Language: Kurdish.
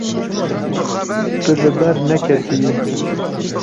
Tu li ber neketiyî.